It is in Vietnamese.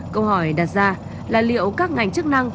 câu hỏi đặt ra là liệu các ngành chức năng